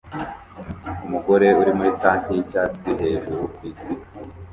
Umugore uri muri tanki yicyatsi hejuru kwisiga